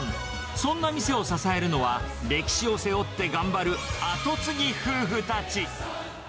そんな店を支えるのは、歴史を背負って頑張る後継ぎ夫婦たち。